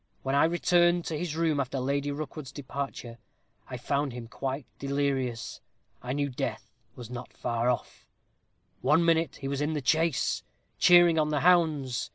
When I returned to his room after Lady Rookwood's departure, I found him quite delirious. I knew death was not far off then. One minute he was in the chase, cheering on the hounds.